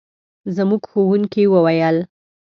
زموږ ښوونکي وویل.